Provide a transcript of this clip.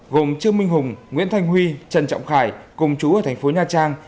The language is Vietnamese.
gồm trương minh hùng nguyễn thanh huy trần trọng khải cùng chú ở thành phố nha trang